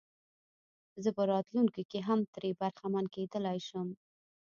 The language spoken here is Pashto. زه په راتلونکي کې هم ترې برخمن کېدلای شم.